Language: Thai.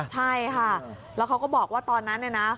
ใช่ค่ะแล้วเขาก็บอกว่าตอนนั้นเนี่ยนะ